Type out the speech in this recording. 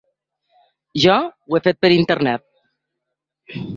Jo ho he fet per internet.